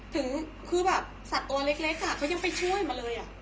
ถึงคือแบบสัตว์ตัวเล็กเขายังไปช่วยมาเลย